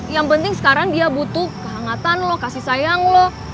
yang penting sekarang dia butuh kehangatan loh kasih sayang loh